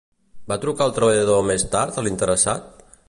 Va trucar el treballador més tard a l'interessat?